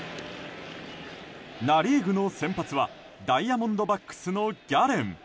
ナ・リーグの先発はダイヤモンドバックスのギャレン。